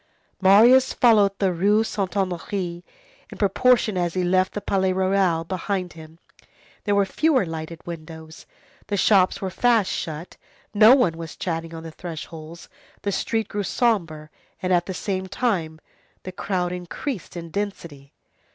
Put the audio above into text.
Marius followed the Rue Saint Honoré. In proportion as he left the Palais Royal behind him, there were fewer lighted windows, the shops were fast shut, no one was chatting on the thresholds, the street grew sombre, and, at the same time, the crowd increased in density.